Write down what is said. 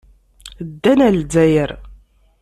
Ddan ɣer Lezzayer.